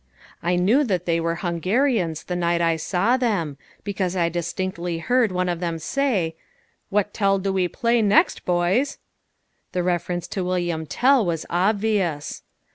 I knew that they were Hungarians the night I saw them, because I distinctly heard one of them say, "what t'ell do we play next boys?" The reference to William Tell was obvious.